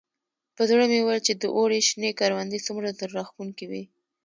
په زړه مې ویل چې د اوړي شنې کروندې څومره زړه راښکونکي وي.